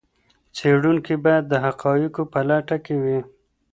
څېړونکی باید د حقایقو په لټه کې وي.